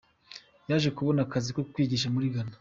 Yaje kubona akazi ko kwigisha muri Ghana.